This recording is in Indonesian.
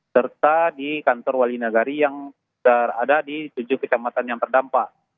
serta di kantor wali nagari yang berada di tujuh kecamatan yang terdampak